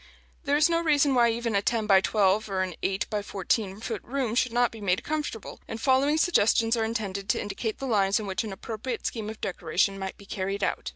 There is no reason why even a ten by twelve or an eight by fourteen foot room should not be made comfortable; and the following suggestions are intended to indicate the lines on which an appropriate scheme of decoration might be carried out.